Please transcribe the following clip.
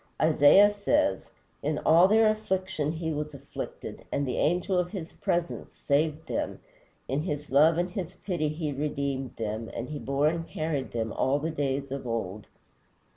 Isaiah says, "In all their affliction He was afflicted, and the Angel of his Presence saved them; in his love and his pity he redeemed them, and he bore and carried them all the days of old."